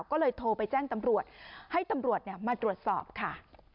ก็เลยโทรไปแจ้งตำรวจให้ตำรวจมาตรวจสอบค่ะ